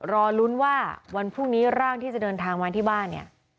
รอลุ้นว่าวันพรุ่งนี้ร่างที่จะเดินทางมาที่บ้านเนี่ย